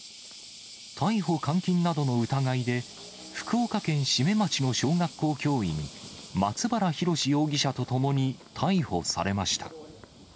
逮捕監禁などの疑いで、福岡県志免町の小学校教員、松原宏容疑者と共に逮捕されました。